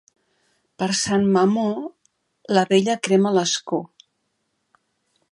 Per Sant Mamó la vella crema l'escó.